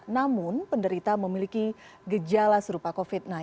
namun penderita memiliki gejala serupa covid sembilan belas